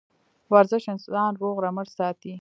ورزش انسان روغ رمټ ساتي